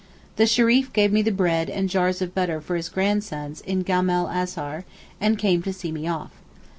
The Shereef gave me the bread and jars of butter for his grandsons in Gama'l Azhar, and came to see me off.